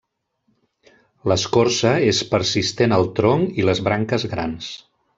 L'escorça és persistent al tronc i les branques grans.